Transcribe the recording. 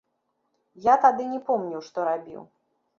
Я тады не помніў, што рабіў.